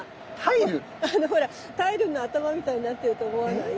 あのほらタイルの頭みたいになってると思わない？